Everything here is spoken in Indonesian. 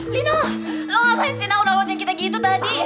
lino lo ngapain sih nak urut urutnya kita gitu tadi